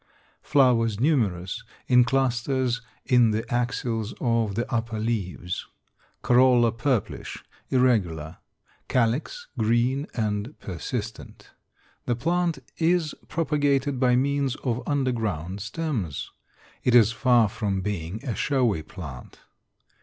Flowers numerous, in clusters in the axils of the upper leaves. Corolla purplish, irregular; calyx green and persistent. The plant is propagated by means of underground stems. It is far from being a showy plant.